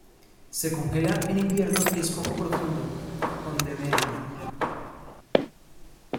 Se congela en invierno y es poco profundo, con de media.